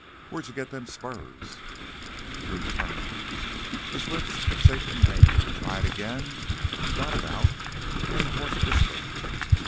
"Where did you git them spurs?" Drew turned, his lips shaped a name, tried again, and got it out as a hoarse whisper.